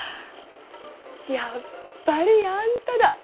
やっぱりあんただ。